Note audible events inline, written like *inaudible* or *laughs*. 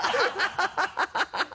ハハハ *laughs*